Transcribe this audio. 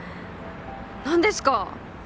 何ですか？